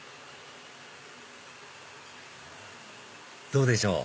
どうでしょう？